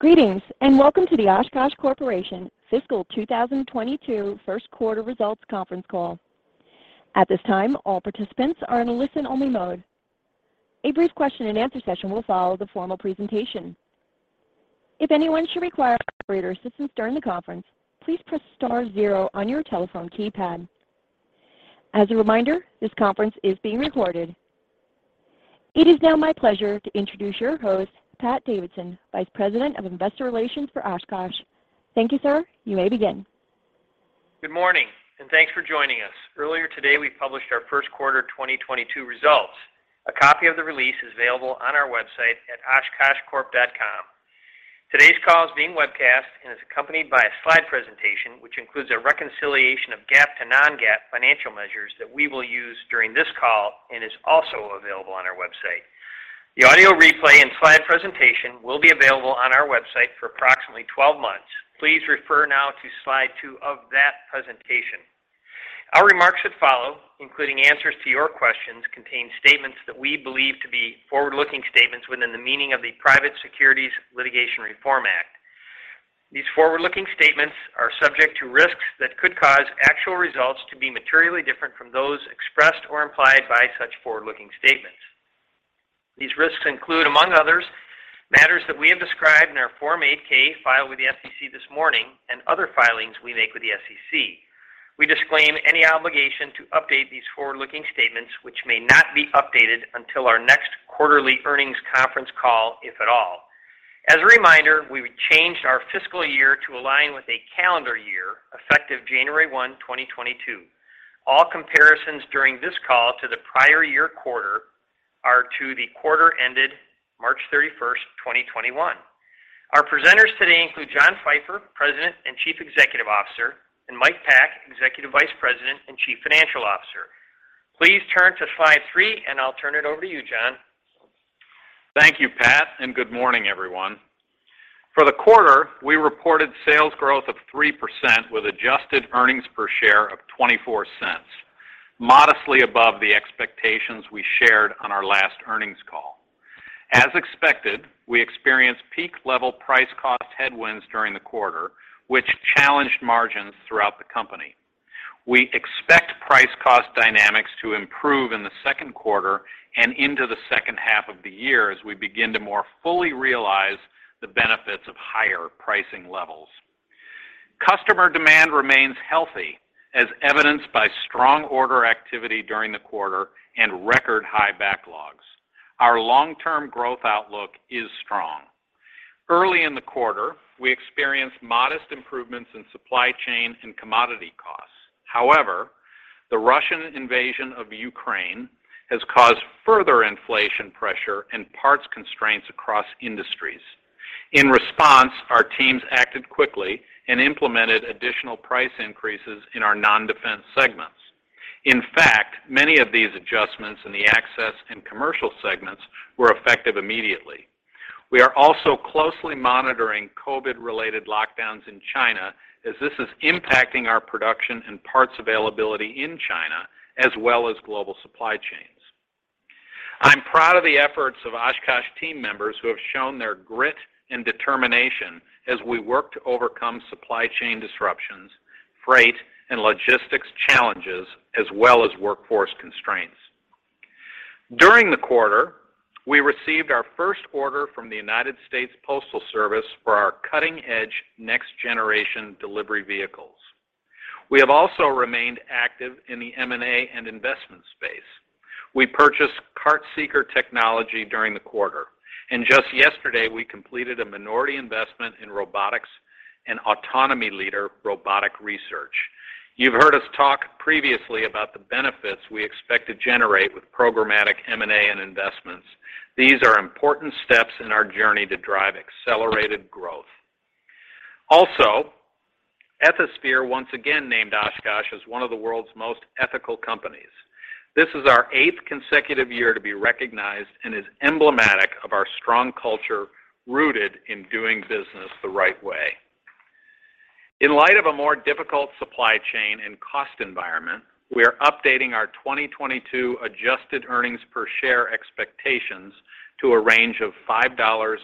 Greetings, and welcome to the Oshkosh Corporation Fiscal 2022 First Quarter Results Conference Call. At this time, all participants are in a listen-only mode. A brief question-and-answer session will follow the formal presentation. If anyone should require operator assistance during the conference, please press star zero on your telephone keypad. As a reminder, this conference is being recorded. It is now my pleasure to introduce your host, Pat Davidson, Vice President of Investor Relations for Oshkosh. Thank you, sir. You may begin. Good morning, and thanks for joining us. Earlier today, we published our first quarter 2022 results. A copy of the release is available on our website at oshkoshcorp.com. Today's call is being webcast and is accompanied by a slide presentation which includes a reconciliation of GAAP to non-GAAP financial measures that we will use during this call and is also available on our website. The audio replay and slide presentation will be available on our website for approximately 12 months. Please refer now to slide two of that presentation. Our remarks that follow, including answers to your questions, contain statements that we believe to be forward-looking statements within the meaning of the Private Securities Litigation Reform Act. These forward-looking statements are subject to risks that could cause actual results to be materially different from those expressed or implied by such forward-looking statements. These risks include, among others, matters that we have described in our Form 8-K filed with the SEC this morning and other filings we make with the SEC. We disclaim any obligation to update these forward-looking statements, which may not be updated until our next quarterly earnings conference call, if at all. As a reminder, we changed our fiscal year to align with a calendar year, effective January 1, 2022. All comparisons during this call to the prior year quarter are to the quarter ended March 31st, 2021. Our presenters today include John Pfeifer, President and Chief Executive Officer, and Mike Pack, Executive Vice President and Chief Financial Officer. Please turn to slide three, and I'll turn it over to you, John. Thank you, Pat, and good morning, everyone. For the quarter, we reported sales growth of 3% with adjusted earnings per share of $0.24, modestly above the expectations we shared on our last earnings call. As expected, we experienced peak level price cost headwinds during the quarter, which challenged margins throughout the company. We expect price cost dynamics to improve in the second quarter and into the second half of the year as we begin to more fully realize the benefits of higher pricing levels. Customer demand remains healthy, as evidenced by strong order activity during the quarter and record high backlogs. Our long-term growth outlook is strong. Early in the quarter, we experienced modest improvements in supply chain and commodity costs. However, the Russian invasion of Ukraine has caused further inflation pressure and parts constraints across industries. In response, our teams acted quickly and implemented additional price increases in our non-Defense segments. In fact, many of these adjustments in the Access and Commercial segments were effective immediately. We are also closely monitoring COVID-related lockdowns in China as this is impacting our production and parts availability in China, as well as global supply chains. I'm proud of the efforts of Oshkosh team members who have shown their grit and determination as we work to overcome supply chain disruptions, freight and logistics challenges, as well as workforce constraints. During the quarter, we received our first order from the United States Postal Service for our cutting-edge next-generation delivery vehicles. We have also remained active in the M&A and investment space. We purchased CartSeeker Technology during the quarter, and just yesterday, we completed a minority investment in robotics and autonomy leader Robotic Research. You've heard us talk previously about the benefits we expect to generate with programmatic M&A and investments. These are important steps in our journey to drive accelerated growth. Also, Ethisphere once again named Oshkosh as one of the world's most ethical companies. This is our 8th consecutive year to be recognized and is emblematic of our strong culture rooted in doing business the right way. In light of a more difficult supply chain and cost environment, we are updating our 2022 adjusted earnings per share expectations to a range of $5-$6.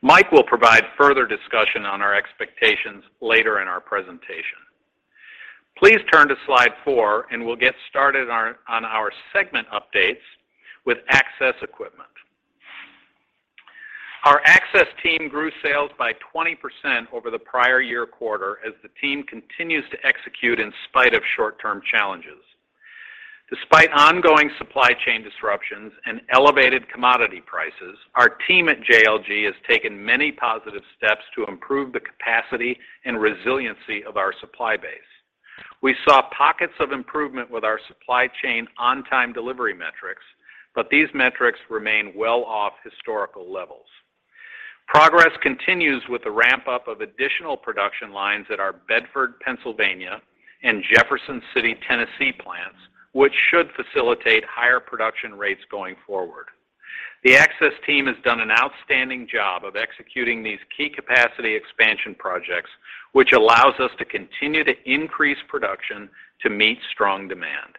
Mike will provide further discussion on our expectations later in our presentation. Please turn to slide four, and we'll get started on our segment updates with Access Equipment. Our Access team grew sales by 20% over the prior year quarter as the team continues to execute in spite of short-term challenges. Despite ongoing supply chain disruptions and elevated commodity prices, our team at JLG has taken many positive steps to improve the capacity and resiliency of our supply base. We saw pockets of improvement with our supply chain on-time delivery metrics, but these metrics remain well off historical levels. Progress continues with the ramp-up of additional production lines at our Bedford, Pennsylvania, and Jefferson City, Tennessee plants, which should facilitate higher production rates going forward. The Access team has done an outstanding job of executing these key capacity expansion projects, which allows us to continue to increase production to meet strong demand.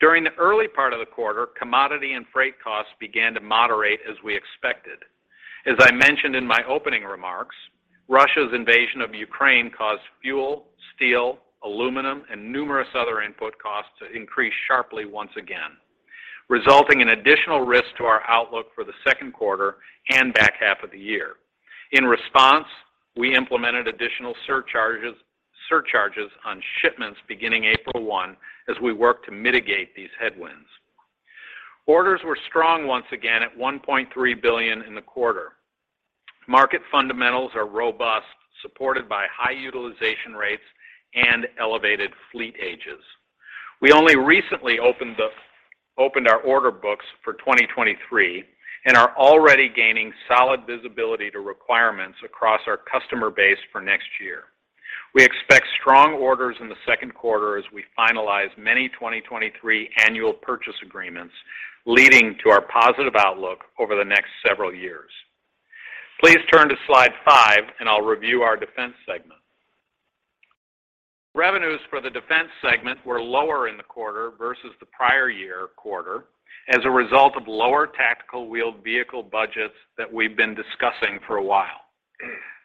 During the early part of the quarter, commodity and freight costs began to moderate as we expected. As I mentioned in my opening remarks, Russia's invasion of Ukraine caused fuel, steel, aluminum, and numerous other input costs to increase sharply once again, resulting in additional risk to our outlook for the second quarter and back half of the year. In response, we implemented additional surcharges on shipments beginning April 1 as we work to mitigate these headwinds. Orders were strong once again at $1.3 billion in the quarter. Market fundamentals are robust, supported by high utilization rates and elevated fleet ages. We only recently opened our order books for 2023 and are already gaining solid visibility to requirements across our customer base for next year. We expect strong orders in the second quarter as we finalize many 2023 annual purchase agreements, leading to our positive outlook over the next several years. Please turn to slide five, and I'll review our Defense segment. Revenues for the Defense segment were lower in the quarter versus the prior year quarter as a result of lower tactical wheeled vehicle budgets that we've been discussing for a while.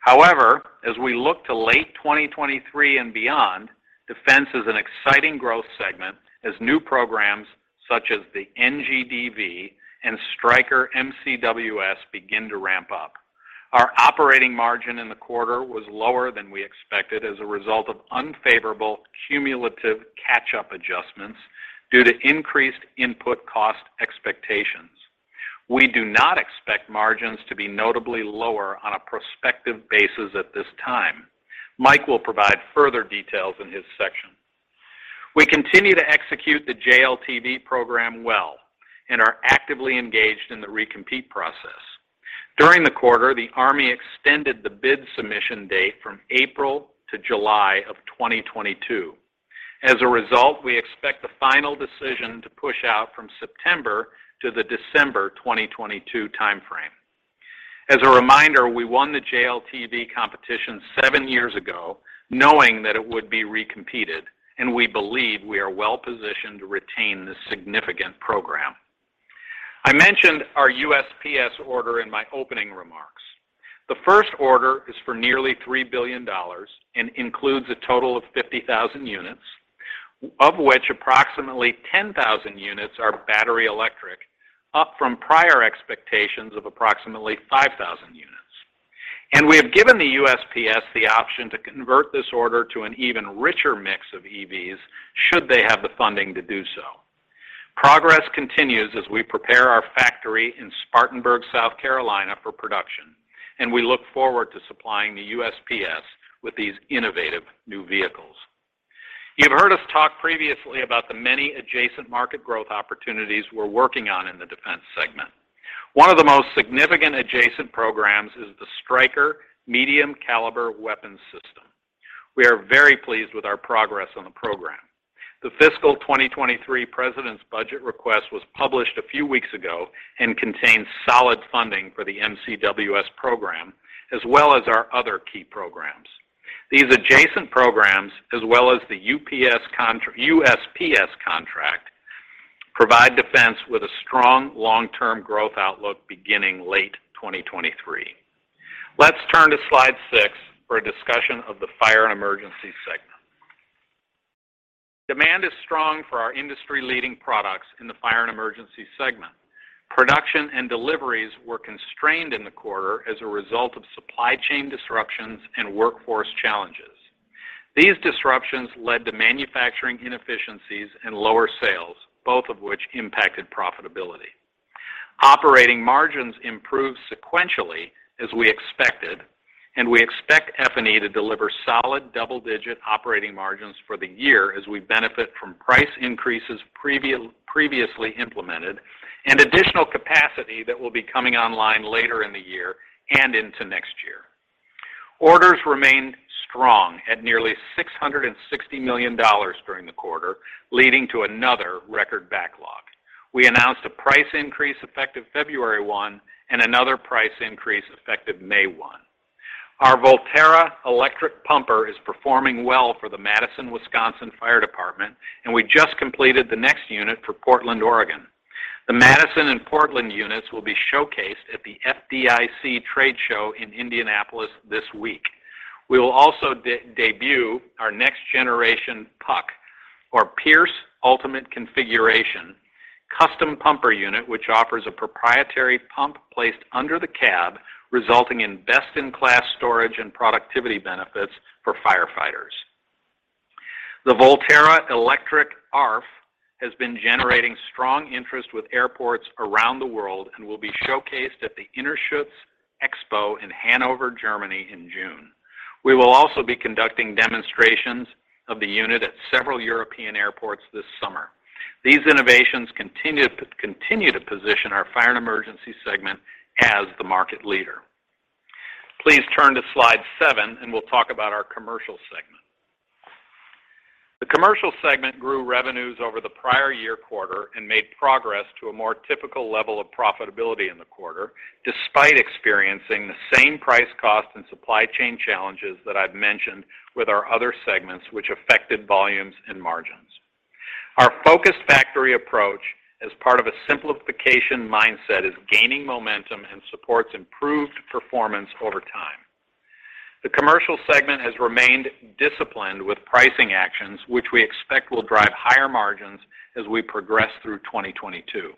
However, as we look to late 2023 and beyond, Defense is an exciting growth segment as new programs such as the NGDV and Stryker MCWS begin to ramp up. Our operating margin in the quarter was lower than we expected as a result of unfavorable cumulative catch-up adjustments due to increased input cost expectations. We do not expect margins to be notably lower on a prospective basis at this time. Mike will provide further details in his section. We continue to execute the JLTV program well and are actively engaged in the recompete process. During the quarter, the Army extended the bid submission date from April to July of 2022. As a result, we expect the final decision to push out from September to the December 2022 time frame. As a reminder, we won the JLTV competition seve. Years ago knowing that it would be recompeted, and we believe we are well positioned to retain this significant program. I mentioned our USPS order in my opening remarks. The first order is for nearly $3 billion and includes a total of 50,000 units, of which approximately 10,000 units are battery electric, up from prior expectations of approximately 5,000 units. We have given the USPS the option to convert this order to an even richer mix of EVs should they have the funding to do so. Progress continues as we prepare our factory in Spartanburg, South Carolina, for production, and we look forward to supplying the USPS with these innovative new vehicles. You've heard us talk previously about the many adjacent market growth opportunities we're working on in the Defense segment. One of the most significant adjacent programs is the Stryker Medium Caliber Weapon System. We are very pleased with our progress on the program. The fiscal 2023 President's budget request was published a few weeks ago and contains solid funding for the MCWS program, as well as our other key programs. These adjacent programs, as well as the USPS contract, provide defense with a strong long-term growth outlook beginning late 2023. Let's turn to slide six for a discussion of the Fire and Emergency segment. Demand is strong for our industry-leading products in the Fire and Emergency segment. Production and deliveries were constrained in the quarter as a result of supply chain disruptions and workforce challenges. These disruptions led to manufacturing inefficiencies and lower sales, both of which impacted profitability. Operating margins improved sequentially as we expected, and we expect F&E to deliver solid double-digit operating margins for the year as we benefit from price increases previously implemented and additional capacity that will be coming online later in the year and into next year. Orders remained strong at nearly $660 million during the quarter, leading to another record backlog. We announced a price increase effective February 1 and another price increase effective May 1. Our Volterra electric pumper is performing well for the Madison, Wisconsin Fire Department, and we just completed the next unit for Portland, Oregon. The Madison and Portland units will be showcased at the FDIC trade show in Indianapolis this week. We will also debut our next generation PUC, or Pierce Ultimate Configuration, custom pumper unit, which offers a proprietary pump placed under the cab, resulting in best-in-class storage and productivity benefits for firefighters. The Volterra electric ARFF has been generating strong interest with airports around the world and will be showcased at the INTERSCHUTZ Expo in Hanover, Germany in June. We will also be conducting demonstrations of the unit at several European airports this summer. These innovations continue to position our Fire and Emergency segment as the market leader. Please turn to slide seven, and we'll talk about our Commercial segment. The Commercial segment grew revenues over the prior year quarter and made progress to a more typical level of profitability in the quarter, despite experiencing the same price, cost, and supply chain challenges that I've mentioned with our other segments which affected volumes and margins. Our focused factory approach as part of a simplification mindset is gaining momentum and supports improved performance over time. The Commercial segment has remained disciplined with pricing actions, which we expect will drive higher margins as we progress through 2022.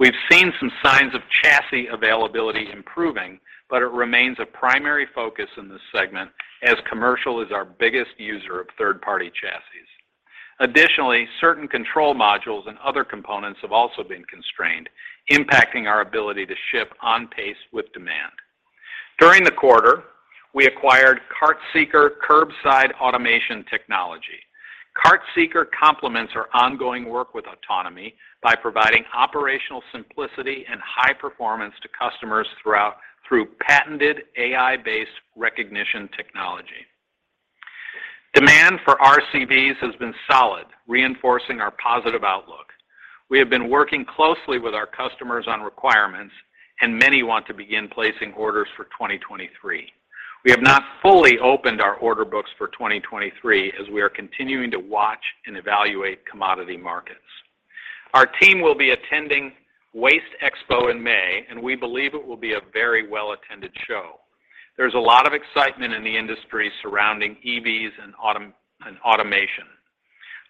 We've seen some signs of chassis availability improving, but it remains a primary focus in this segment as Commercial is our biggest user of third-party chassis. Additionally, certain control modules and other components have also been constrained, impacting our ability to ship on pace with demand. During the quarter, we acquired CartSeeker curbside automation technology. CartSeeker complements our ongoing work with autonomy by providing operational simplicity and high performance to customers through patented AI-based recognition technology. Demand for RCVs has been solid, reinforcing our positive outlook. We have been working closely with our customers on requirements and many want to begin placing orders for 2023. We have not fully opened our order books for 2023 as we are continuing to watch and evaluate commodity markets. Our team will be attending WasteExpo in May, and we believe it will be a very well-attended show. There's a lot of excitement in the industry surrounding EVs and automation.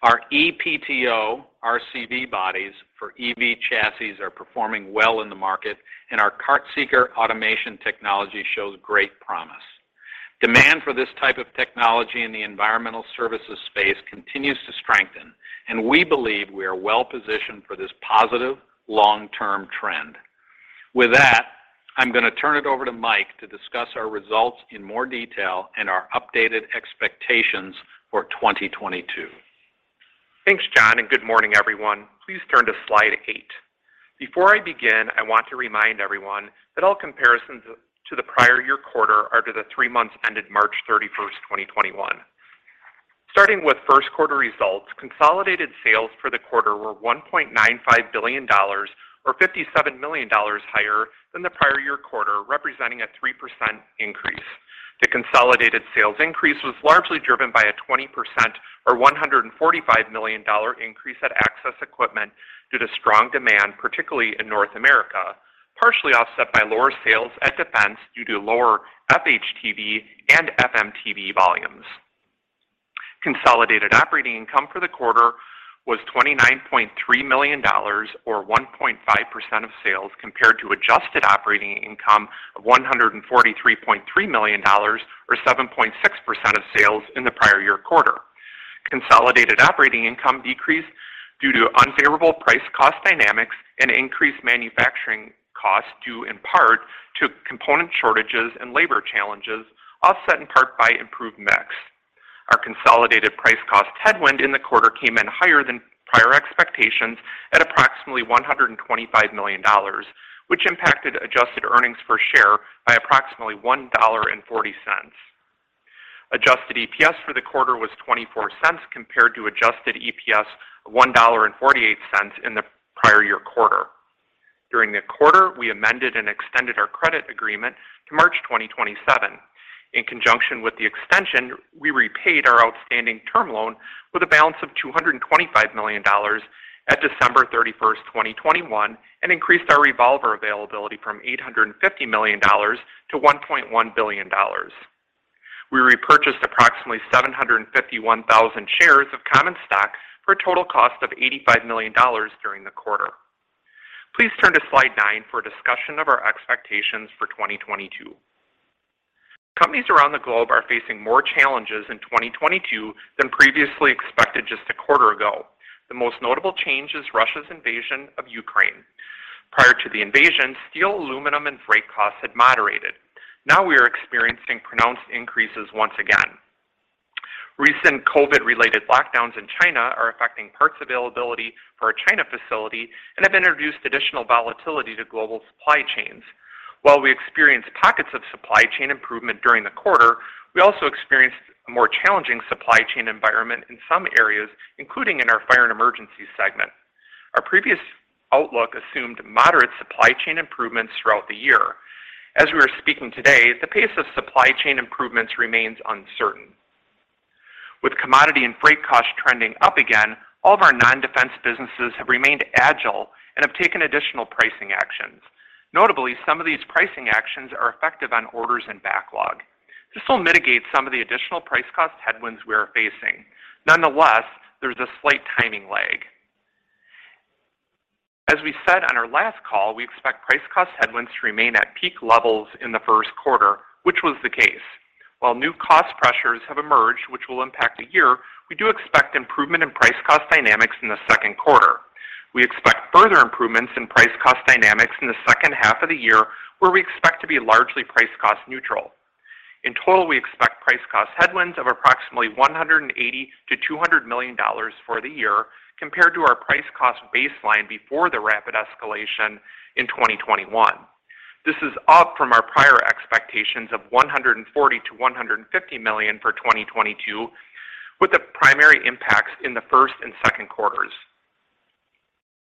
Our ePTO RCV bodies for EV chassis are performing well in the market and our CartSeeker automation technology shows great promise. Demand for this type of technology in the environmental services space continues to strengthen, and we believe we are well positioned for this positive long-term trend. With that, I'm going to turn it over to Mike to discuss our results in more detail and our updated expectations for 2022. Thanks, John, and good morning, everyone. Please turn to slide eight. Before I begin, I want to remind everyone that all comparisons to the prior year quarter are to the three months ended March 31st, 2021. Starting with first quarter results, consolidated sales for the quarter were $1.95 billion or $57 million higher than the prior year quarter, representing a 3% increase. The consolidated sales increase was largely driven by a 20% or $145 million increase at access equipment due to strong demand, particularly in North America, partially offset by lower sales at defense due to lower FHTV and FMTV volumes. Consolidated operating income for the quarter was $29.3 million or 1.5% of sales, compared to adjusted operating income of $143.3 million or 7.6% of sales in the prior year quarter. Consolidated operating income decreased due to unfavorable price cost dynamics and increased manufacturing costs due in part to component shortages and labor challenges, offset in part by improved mix. Our consolidated price cost headwind in the quarter came in higher than prior expectations at approximately $125 million, which impacted adjusted earnings per share by approximately $1.40. Adjusted EPS for the quarter was $0.24 compared to adjusted EPS of $1.48 in the prior year quarter. During the quarter, we amended and extended our credit agreement to March 2027. In conjunction with the extension, we repaid our outstanding term loan with a balance of $225 million at December 31st, 2021, and increased our revolver availability from $850 million to $1.1 billion. We repurchased approximately 751,000 shares of common stock for a total cost of $85 million during the quarter. Please turn to slide nine for a discussion of our expectations for 2022. Companies around the globe are facing more challenges in 2022 than previously expected just a quarter ago. The most notable change is Russia's invasion of Ukraine. Prior to the invasion, steel, aluminum, and freight costs had moderated. Now we are experiencing pronounced increases once again. Recent COVID-related lockdowns in China are affecting parts availability for our China facility and have introduced additional volatility to global supply chains. While we experienced pockets of supply chain improvement during the quarter, we also experienced a more challenging supply chain environment in some areas, including in our Fire and Emergency segment. Our previous outlook assumed moderate supply chain improvements throughout the year. As we are speaking today, the pace of supply chain improvements remains uncertain. With commodity and freight costs trending up again, all of our non-Defense businesses have remained agile and have taken additional pricing actions. Notably, some of these pricing actions are effective on orders and backlog. This will mitigate some of the additional price cost headwinds we are facing. Nonetheless, there's a slight timing lag. As we said on our last call, we expect price cost headwinds to remain at peak levels in the first quarter, which was the case. While new cost pressures have emerged, which will impact the year, we do expect improvement in price cost dynamics in the second quarter. We expect further improvements in price cost dynamics in the second half of the year, where we expect to be largely price cost neutral. In total, we expect price cost headwinds of approximately $180 million-$200 million for the year compared to our price cost baseline before the rapid escalation in 2021. This is up from our prior expectations of $140 million-$150 million for 2022, with the primary impacts in the first and second quarters.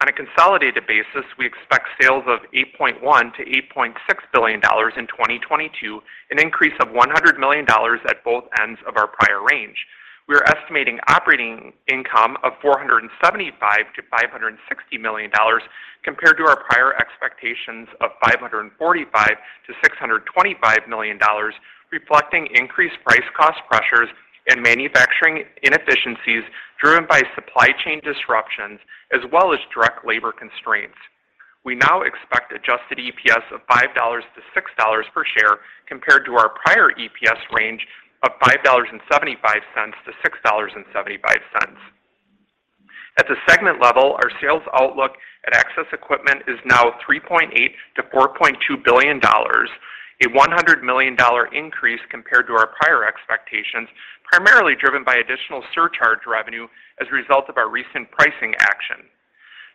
On a consolidated basis, we expect sales of $8.1 billion-$8.6 billion in 2022, an increase of $100 million at both ends of our prior range. We are estimating operating income of $475 million-$560 million compared to our prior expectations of $545 million-$625 million, reflecting increased price cost pressures and manufacturing inefficiencies driven by supply chain disruptions as well as direct labor constraints. We now expect adjusted EPS of $5-$6 per share compared to our prior EPS range of $5.75-$6.75. At the segment level, our sales outlook at Access Equipment is now $3.8 billion-$4.2 billion, a $100 million increase compared to our prior expectations, primarily driven by additional surcharge revenue as a result of our recent pricing action.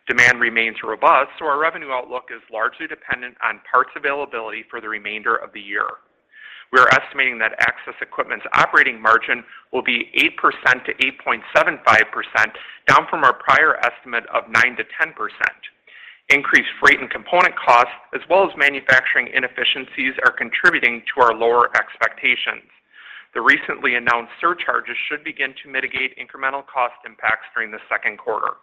Demand remains robust, so our revenue outlook is largely dependent on parts availability for the remainder of the year. We are estimating that Access Equipment's operating margin will be 8%-8.75%, down from our prior estimate of 9%-10%. Increased freight and component costs as well as manufacturing inefficiencies are contributing to our lower expectations. The recently announced surcharges should begin to mitigate incremental cost impacts during the second quarter.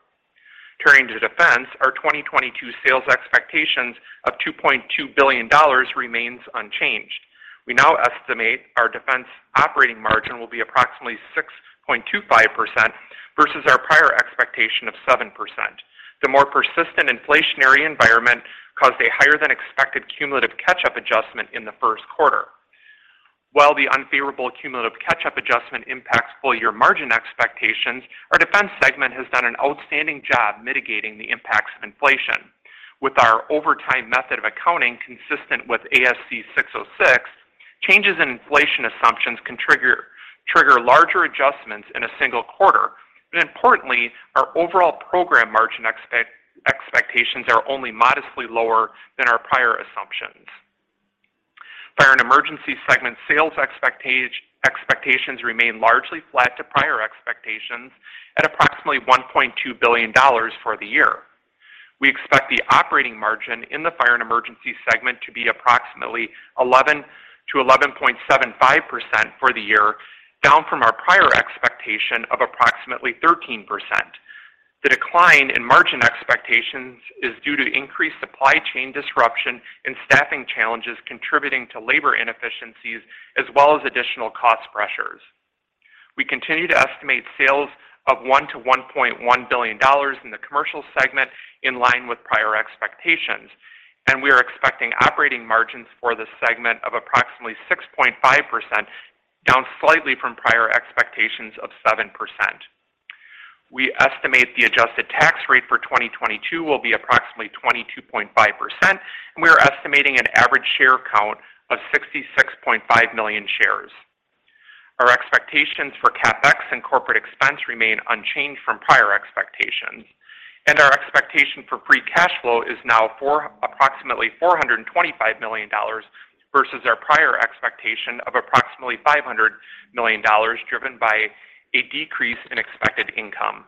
Turning to Defense, our 2022 sales expectations of $2.2 billion remains unchanged. We now estimate our Defense operating margin will be approximately 6.25% versus our prior expectation of 7%. The more persistent inflationary environment caused a higher than expected cumulative catch-up adjustment in the first quarter. While the unfavorable cumulative catch-up adjustment impacts full year margin expectations, our Defense segment has done an outstanding job mitigating the impacts of inflation. With our overtime method of accounting consistent with ASC 606, changes in inflation assumptions can trigger larger adjustments in a single quarter. Importantly, our overall program margin expectations are only modestly lower than our prior assumptions. Fire and Emergency segment sales expectations remain largely flat to prior expectations at approximately $1.2 billion for the year. We expect the operating margin in the Fire and Emergency segment to be approximately 11%-11.75% for the year, down from our prior expectation of approximately 13%. The decline in margin expectations is due to increased supply chain disruption and staffing challenges contributing to labor inefficiencies as well as additional cost pressures. We continue to estimate sales of $1-$1.1 billion in the Commercial segment in line with prior expectations, and we are expecting operating margins for this segment of approximately 6.5%, down slightly from prior expectations of 7%. We estimate the adjusted tax rate for 2022 will be approximately 22.5%, and we are estimating an average share count of 66.5 million shares. Our expectations for CapEx and corporate expense remain unchanged from prior expectations, and our expectation for free cash flow is now approximately $425 million versus our prior expectation of approximately $500 million driven by a decrease in expected income.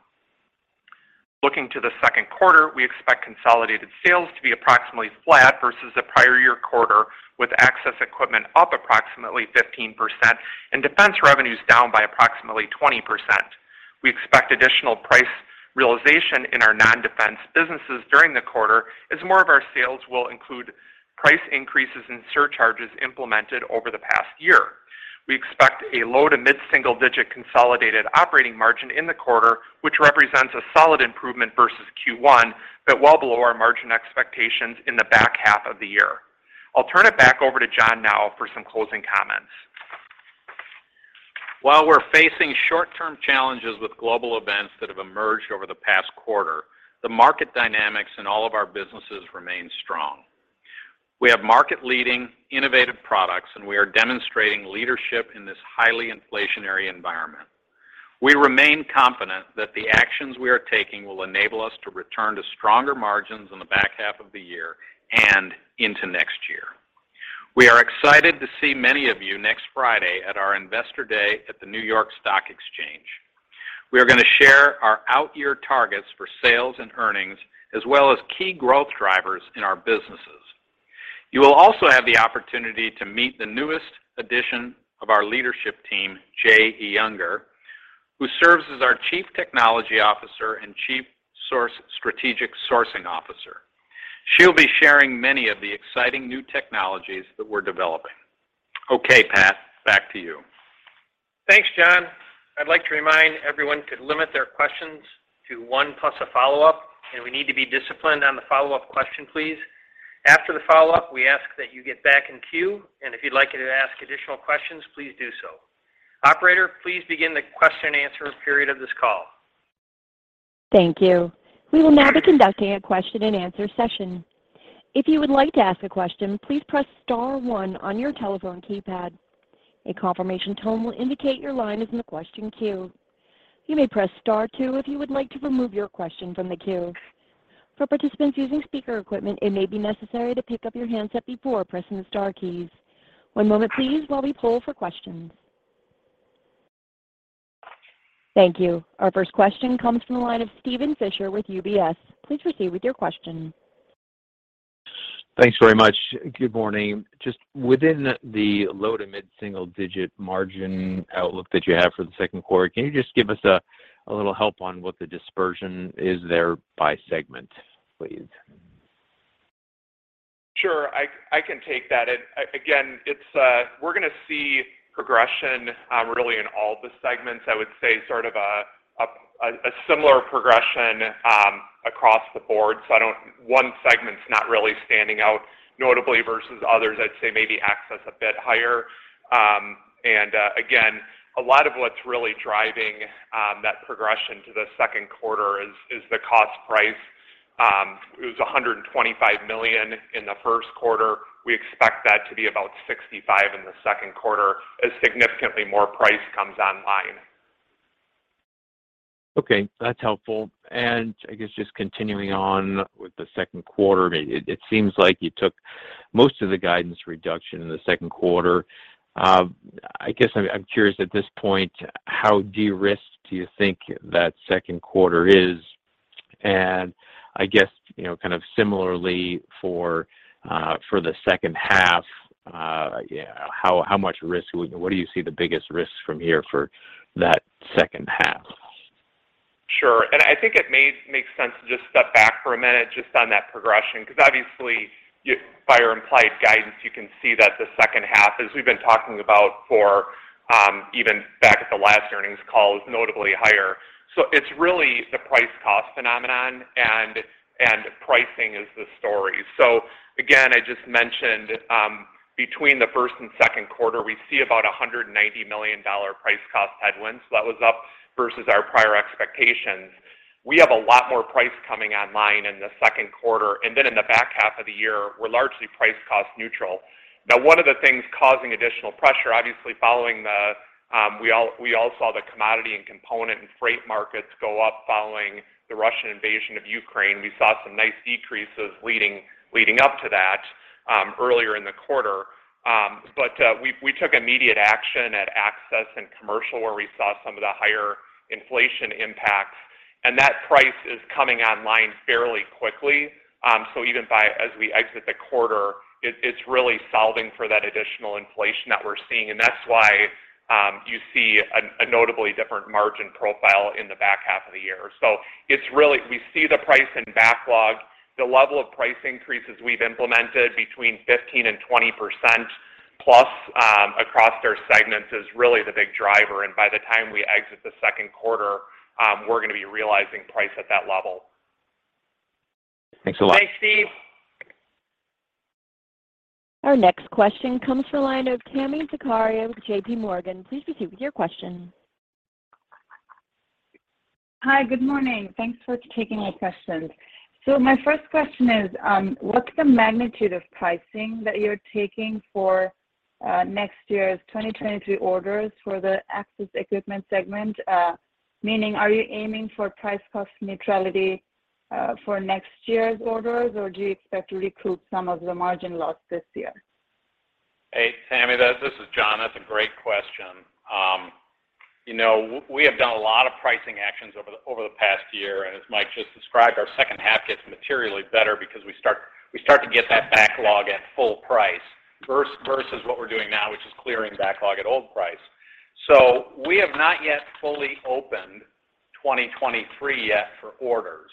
Looking to the second quarter, we expect consolidated sales to be approximately flat versus the prior year quarter, with Access Equipment up approximately 15% and Defense revenues down by approximately 20%. We expect additional price realization in our non-Defense businesses during the quarter as more of our sales will include price increases and surcharges implemented over the past year. We expect a low- to mid-single-digit consolidated operating margin in the quarter, which represents a solid improvement versus Q1, but well below our margin expectations in the back half of the year. I'll turn it back over to John now for some closing comments. While we're facing short-term challenges with global events that have emerged over the past quarter, the market dynamics in all of our businesses remain strong. We have market-leading innovative products, and we are demonstrating leadership in this highly inflationary environment. We remain confident that the actions we are taking will enable us to return to stronger margins in the back half of the year and into next year. We are excited to see many of you next Friday at our Investor Day at the New York Stock Exchange. We are going to share our outyear targets for sales and earnings as well as key growth drivers in our businesses. You will also have the opportunity to meet the newest addition of our leadership team, Jay Iyengar, who serves as our Chief Technology Officer and Chief Strategic Sourcing Officer. She'll be sharing many of the exciting new technologies that we're developing. Okay, Pat, back to you. Thanks, John. I'd like to remind everyone to limit their questions to one plus a follow-up, and we need to be disciplined on the follow-up question, please. After the follow-up, we ask that you get back in queue, and if you'd like to ask additional questions, please do so. Operator, please begin the question and answer period of this call. Thank you. We will now be conducting a question and answer session. If you would like to ask a question, please press star one on your telephone keypad. A confirmation tone will indicate your line is in the question queue. You may press star two if you would like to remove your question from the queue. For participants using speaker equipment, it may be necessary to pick up your handset before pressing the star keys. One moment please while we poll for questions. Thank you. Our first question comes from the line of Steven Fisher with UBS. Please proceed with your question. Thanks very much. Good morning. Just within the low- to mid-single-digit margin outlook that you have for the second quarter, can you just give us a little help on what the dispersion is there by segment, please? Sure. I can take that. Again, it's. We're gonna see progression really in all the segments. I would say sort of a similar progression across the board. I don't. One segment's not really standing out notably versus others. I'd say maybe access a bit higher. Again, a lot of what's really driving that progression to the second quarter is the cost price. It was $125 million in the first quarter. We expect that to be about $65 million in the second quarter as significantly more price comes online. Okay. That's helpful. I guess just continuing on with the second quarter, it seems like you took most of the guidance reduction in the second quarter. I guess I'm curious at this point, how de-risked do you think that second quarter is? I guess, you know, kind of similarly for the second half, what do you see the biggest risk from here for that second half? Sure. I think it makes sense to just step back for a minute just on that progression, 'cause obviously, by our implied guidance, you can see that the second half, as we've been talking about for, even back at the last earnings call, is notably higher. It's really the price cost phenomenon and pricing is the story. Again, I just mentioned, between the first and second quarter, we see about $190 million price cost headwinds. That was up versus our prior expectations. We have a lot more price coming online in the second quarter, and then in the back half of the year, we're largely price cost neutral. Now, one of the things causing additional pressure, obviously following the, we all saw the commodity and component and freight markets go up following the Russian invasion of Ukraine. We saw some nice decreases leading up to that, earlier in the quarter. We took immediate action at access and commercial where we saw some of the higher inflation impact, and that price is coming online fairly quickly. Even by as we exit the quarter, it's really solving for that additional inflation that we're seeing. That's why you see a notably different margin profile in the back half of the year. It's really we see the price in backlog. The level of price increases we've implemented between 15%-20% plus across their segments is really the big driver. By the time we exit the second quarter, we're gonna be realizing price at that level. Thanks a lot. Thanks, Steve. Our next question comes from the line of Tami Zakaria with J.P. Morgan. Please proceed with your question. Hi. Good morning. Thanks for taking my questions. My first question is, what's the magnitude of pricing that you're taking for next year's 2023 orders for the Access Equipment segment? Meaning are you aiming for price cost neutrality for next year's orders, or do you expect to recoup some of the margin loss this year? Hey, Tami. This is John. That's a great question. You know, we have done a lot of pricing actions over the past year. As Mike just described, our second half gets materially better because we start to get that backlog at full price versus what we're doing now, which is clearing backlog at old price. We have not yet fully opened 2023 yet for orders.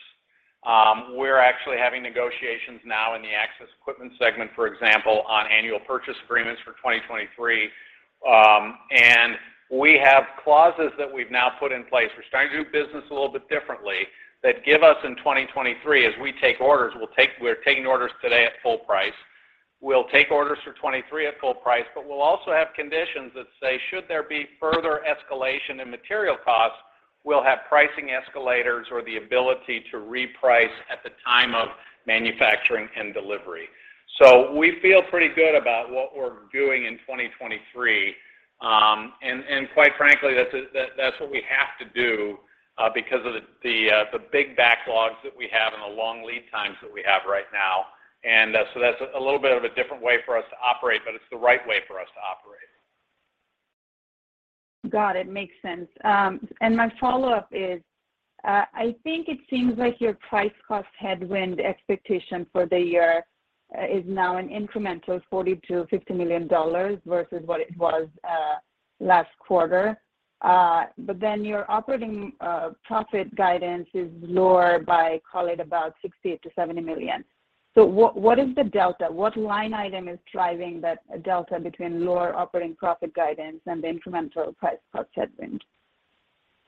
We're actually having negotiations now in the Access Equipment segment, for example, on annual purchase agreements for 2023. We have clauses that we've now put in place. We're starting to do business a little bit differently that give us in 2023 as we take orders. We're taking orders today at full price. We'll take orders for 2023 at full price, but we'll also have conditions that say, should there be further escalation in material costs, we'll have pricing escalators or the ability to reprice at the time of manufacturing and delivery. We feel pretty good about what we're doing in 2023. Quite frankly, that's what we have to do, because of the big backlogs that we have and the long lead times that we have right now. That's a little bit of a different way for us to operate, but it's the right way for us to operate. Got it. Makes sense. My follow-up is, I think it seems like your price cost headwind expectation for the year is now an incremental $40 million-$50 million versus what it was last quarter. Your operating profit guidance is lower by, call it about $60 million-$70 million. What is the delta? What line item is driving that delta between lower operating profit guidance and the incremental price cost headwind?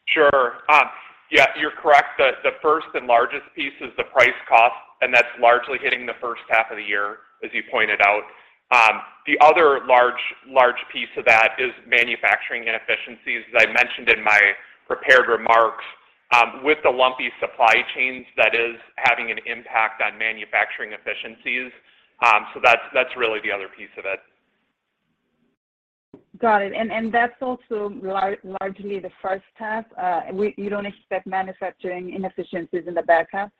Sure. Yeah, you're correct. The first and largest piece is the price cost, and that's largely hitting the first half of the year, as you pointed out. The other large piece of that is manufacturing inefficiencies. As I mentioned in my prepared remarks, with the lumpy supply chains, that is having an impact on manufacturing efficiencies. That's really the other piece of it. Got it. That's also largely the first half. You don't expect manufacturing inefficiencies in the back half?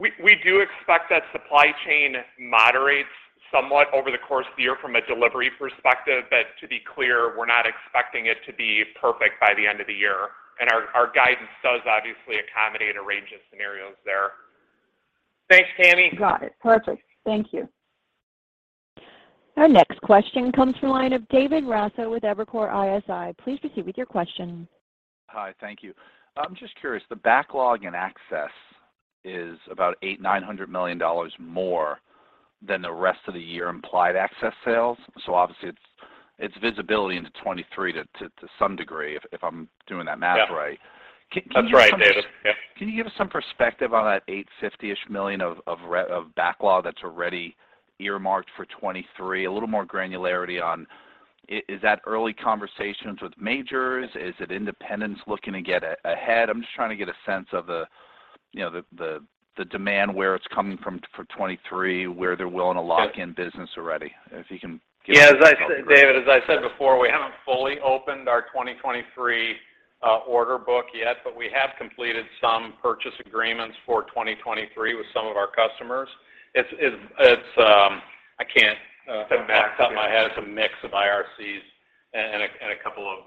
We do expect that supply chain moderates somewhat over the course of the year from a delivery perspective. To be clear, we're not expecting it to be perfect by the end of the year. Our guidance does obviously accommodate a range of scenarios there. Thanks, Tami. Got it. Perfect. Thank you. Our next question comes from the line of David Raso with Evercore ISI. Please proceed with your question. Hi. Thank you. I'm just curious, the backlog in Access is about $800 million-$900 million more than the rest of the year implied Access sales. Obviously it's visibility into 2023 to some degree, if I'm doing that math right. Yeah. That's right, David. Yeah. Can you give us some perspective on that $850-ish million of backlog that's already earmarked for 2023? A little more granularity on, is that early conversations with majors? Is it independents looking to get ahead? I'm just trying to get a sense of the, you know, the demand, where it's coming from for 2023, where they're willing to lock in business already. If you can give us that. Yeah. As I said, David, before, we haven't fully opened our 2023 order book yet, but we have completed some purchase agreements for 2023 with some of our customers. I can't off the top of my head. It's a mix of IRCs and a couple of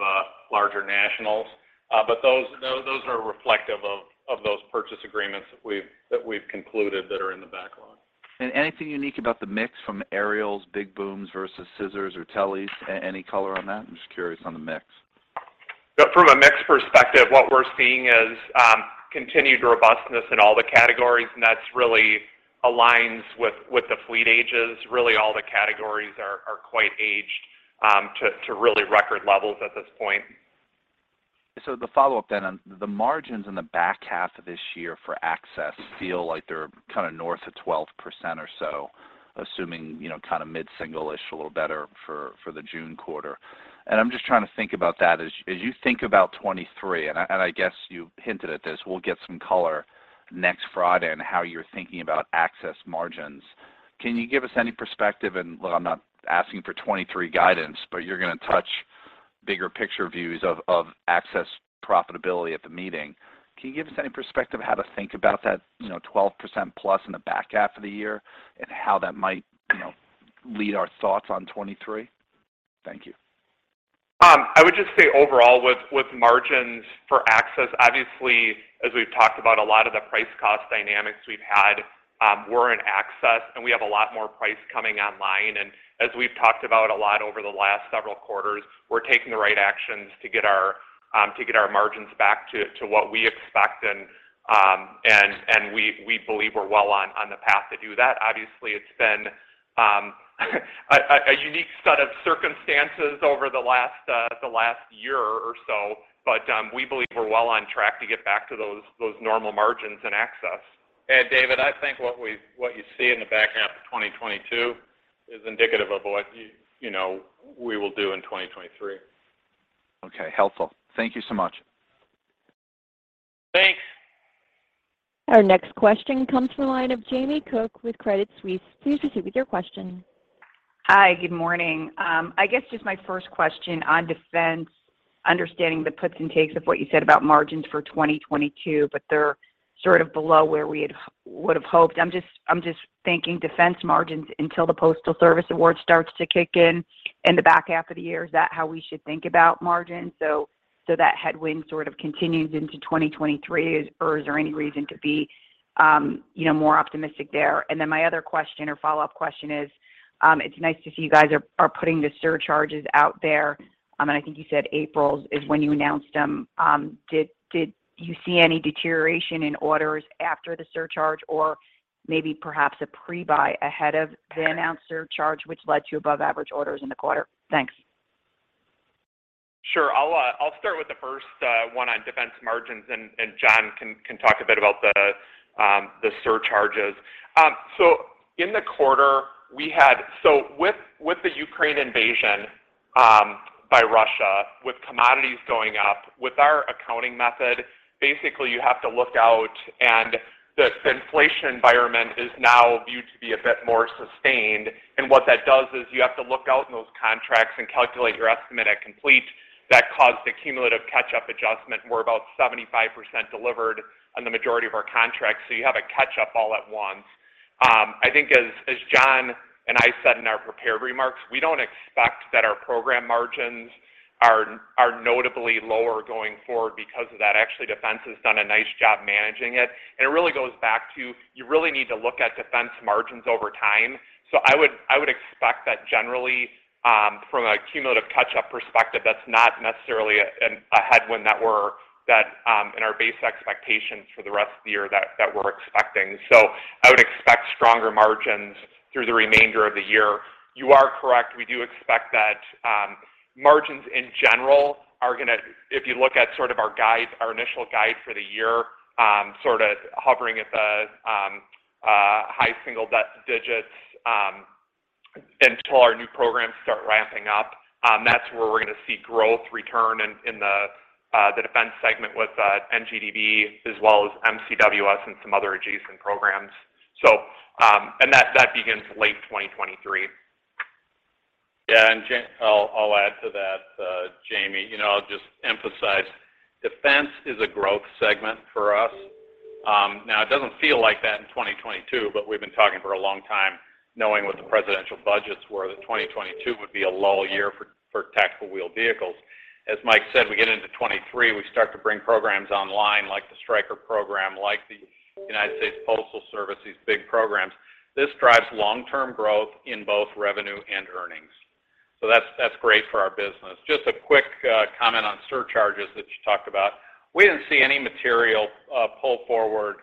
larger nationals. But those are reflective of those purchase agreements that we've concluded that are in the backlog. Anything unique about the mix from aerials, big booms versus scissors or teles? Any color on that? I'm just curious on the mix. From a mix perspective, what we're seeing is continued robustness in all the categories, and that's really aligns with the fleet ages. Really all the categories are quite aged to really record levels at this point. The follow-up then. The margins in the back half of this year for Access feel like they're kind of north of 12% or so, assuming, you know, kind of mid-single-ish, a little better for the June quarter. I'm just trying to think about that. As you think about 2023, and I guess you hinted at this, we'll get some color next Friday on how you're thinking about Access margins. Can you give us any perspective? Look, I'm not asking for 2023 guidance, but you're gonna touch bigger picture views of Access profitability at the meeting. Can you give us any perspective how to think about that, you know, 12% plus in the back half of the year and how that might, you know, lead our thoughts on 2023? Thank you. I would just say overall with margins for Access, obviously, as we've talked about a lot of the price cost dynamics we've had, we're in Access and we have a lot more price coming online. As we've talked about a lot over the last several quarters, we're taking the right actions to get our margins back to what we expect and we believe we're well on the path to do that. Obviously, it's been a unique set of circumstances over the last year or so, but we believe we're well on track to get back to those normal margins in Access. David, I think what you see in the back half of 2022 is indicative of what you know, we will do in 2023. Okay. Helpful. Thank you so much. Thanks. Our next question comes from the line of Jamie Cook with Credit Suisse. Please proceed with your question. Hi. Good morning. I guess just my first question on Defense, understanding the puts and takes of what you said about margins for 2022, but they're sort of below where we would have hoped. I'm just thinking Defense margins until the Postal Service award starts to kick in the back half of the year. Is that how we should think about margins, so that headwind sort of continues into 2023? Or is there any reason to be, you know, more optimistic there? My other question or follow-up question is, it's nice to see you guys are putting the surcharges out there. I think you said April is when you announced them. Did you see any deterioration in orders after the surcharge or maybe perhaps a pre-buy ahead of the announced surcharge, which led to above average orders in the quarter? Thanks. Sure. I'll start with the first one on Defense margins and John can talk a bit about the surcharges. With the Ukraine invasion by Russia, with commodities going up, with our accounting method, basically you have to look out and this inflation environment is now viewed to be a bit more sustained. What that does is you have to look out in those contracts and calculate your estimate at complete. That caused a cumulative catch-up adjustment, and we're about 75% delivered on the majority of our contracts. You have a catch-up all at once. I think as John and I said in our prepared remarks, we don't expect that our program margins are notably lower going forward because of that. Actually, Defense has done a nice job managing it. It really goes back to, you really need to look at Defense margins over time. I would expect that generally, from a cumulative catch-up perspective, that's not necessarily a headwind that we're in our base expectations for the rest of the year that we're expecting. I would expect stronger margins through the remainder of the year. You are correct. We do expect that, margins in general are gonna if you look at sort of our guide, our initial guide for the year, sort of hovering at the high single digits, until our new programs start ramping up. That's where we're gonna see growth return in the Defense segment with NGDV as well as MCWS and some other adjacent programs and that begins late 2023. Yeah, I'll add to that, Jamie. You know, I'll just emphasize Defense is a growth segment for us. Now it doesn't feel like that in 2022, but we've been talking for a long time knowing what the presidential budgets were that 2022 would be a low year for tactical wheeled vehicles. As Mike said, we get into 2023, we start to bring programs online like the Stryker program, like the United States Postal Service, these big programs. This drives long-term growth in both revenue and earnings. That's great for our business. Just a quick comment on surcharges that you talked about. We didn't see any material pull forward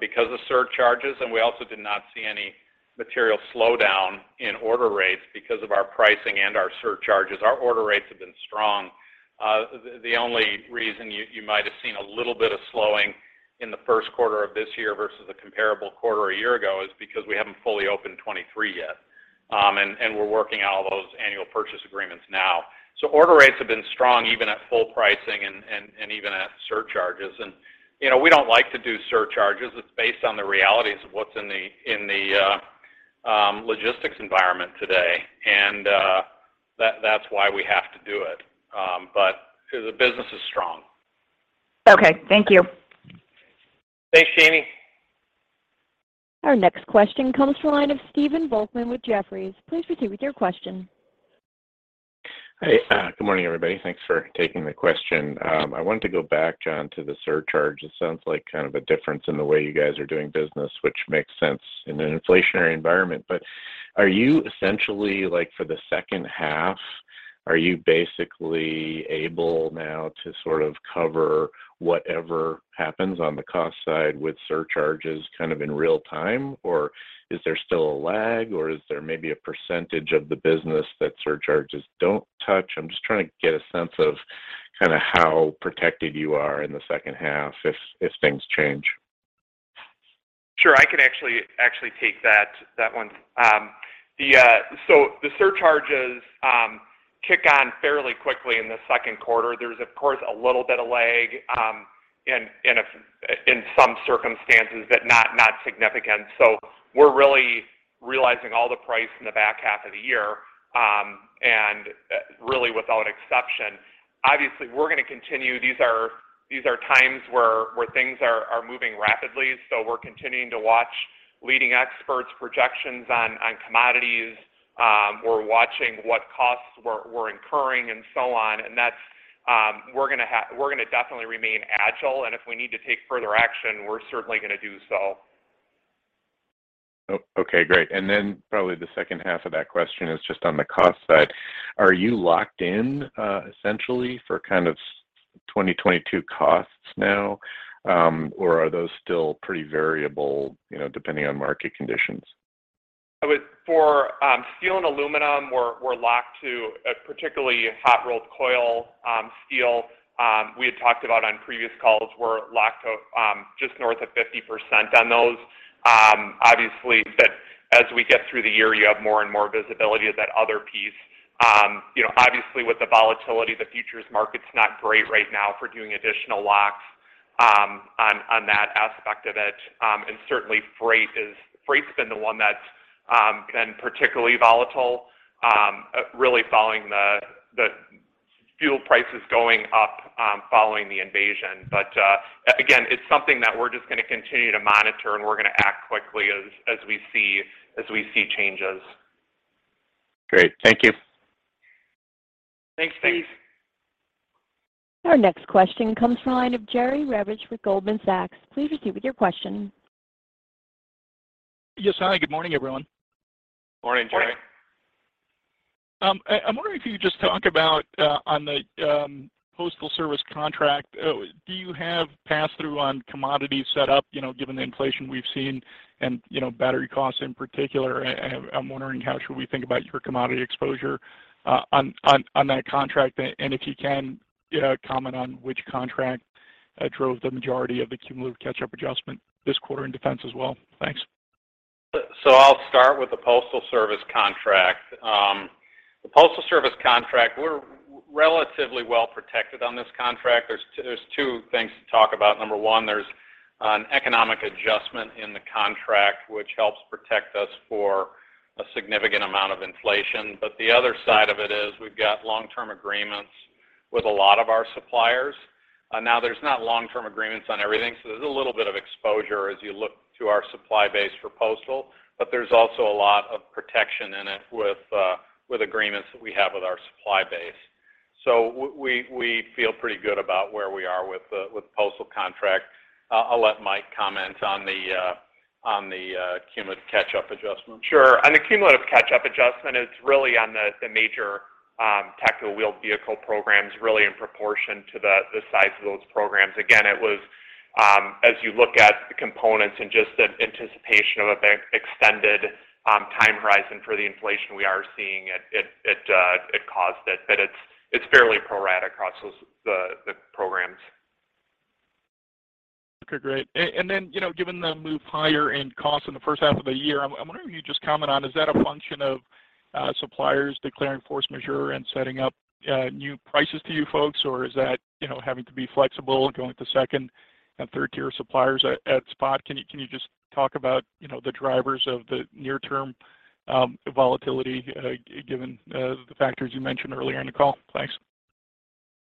because of surcharges, and we also did not see any material slowdown in order rates because of our pricing and our surcharges. Our order rates have been strong. The only reason you might have seen a little bit of slowing in the first quarter of this year versus a comparable quarter a year ago is because we haven't fully opened 2023 yet. We're working out all those annual purchase agreements now. Order rates have been strong even at full pricing and even at surcharges. You know, we don't like to do surcharges. It's based on the realities of what's in the logistics environment today. That's why we have to do it. The business is strong. Okay, thank you. Thanks, Jamie. Our next question comes from the line of Stephen Volkmann with Jefferies. Please proceed with your question. Hey, good morning, everybody. Thanks for taking the question. I wanted to go back, John, to the surcharge. It sounds like kind of a difference in the way you guys are doing business, which makes sense in an inflationary environment. Are you essentially, like for the second half, are you basically able now to sort of cover whatever happens on the cost side with surcharges kind of in real time? Or is there still a lag, or is there maybe a percentage of the business that surcharges don't touch? I'm just trying to get a sense of kind of how protected you are in the second half if things change. Sure. I can actually take that one. The surcharges kick on fairly quickly in the second quarter. There's of course a little bit of lag in some circumstances, but not significant. We're really realizing all the price in the back half of the year and really without exception. Obviously, we're gonna continue. These are times where things are moving rapidly. We're continuing to watch leading experts' projections on commodities. We're watching what costs we're incurring and so on, and that's. We're gonna definitely remain agile, and if we need to take further action, we're certainly gonna do so. Okay, great. Probably the second half of that question is just on the cost side. Are you locked in, essentially for kind of 2022 costs now, or are those still pretty variable, you know, depending on market conditions? For steel and aluminum, we're locked to a particularly hot-rolled coil steel. We had talked about on previous calls, we're locked to just north of 50% on those. Obviously, as we get through the year, you have more and more visibility of that other piece. You know, obviously with the volatility, the futures market's not great right now for doing additional locks on that aspect of it. And certainly freight's been the one that's been particularly volatile, really following the fuel prices going up following the invasion. Again, it's something that we're just gonna continue to monitor, and we're gonna act quickly as we see changes. Great. Thank you. Thanks, Steve. Our next question comes from the line of Jerry Revich with Goldman Sachs. Please proceed with your question. Yes. Hi, good morning, everyone. Morning, Jerry. Morning. I'm wondering if you could just talk about on the Postal Service contract, do you have pass-through on commodities set up, you know, given the inflation we've seen and, you know, battery costs in particular? I'm wondering how should we think about your commodity exposure on that contract? If you can comment on which contract drove the majority of the cumulative catch-up adjustment this quarter in defense as well. Thanks. I'll start with the Postal Service contract. The Postal Service contract, we're relatively well protected on this contract. There's two things to talk about. Number one, there's an economic adjustment in the contract which helps protect us for a significant amount of inflation. The other side of it is we've got long-term agreements with a lot of our suppliers. Now there's not long-term agreements on everything, so there's a little bit of exposure as you look to our supply base for Postal, but there's also a lot of protection in it with agreements that we have with our supply base. We feel pretty good about where we are with the Postal contract. I'll let Mike comment on the cumulative catch-up adjustment. Sure. On the cumulative catch-up adjustment, it's really on the major tactical wheeled vehicle programs really in proportion to the size of those programs. Again, it was as you look at the components and just the anticipation of an extended time horizon for the inflation we are seeing, it caused it, but it's fairly pro rata across those programs. Okay, great. Given the move higher in cost in the first half of the year, I'm wondering if you could just comment on is that a function of suppliers declaring force majeure and setting up new prices to you folks? Or is that, you know, having to be flexible and going to second and third-tier suppliers at spot? Can you just talk about, you know, the drivers of the near-term volatility given the factors you mentioned earlier in the call? Thanks.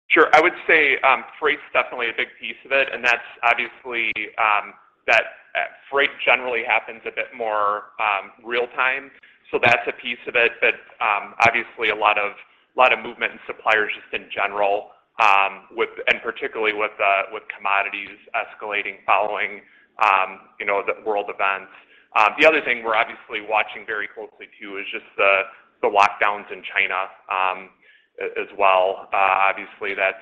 Sure. I would say, freight's definitely a big piece of it, and that's obviously that freight generally happens a bit more real time. That's a piece of it that, obviously, a lot of movement and suppliers just in general, and particularly with commodities escalating following, you know, the world events. The other thing we're obviously watching very closely too is just the lockdowns in China as well. Obviously that